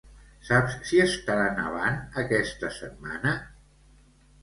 Saps si estarà nevant aquesta setmana?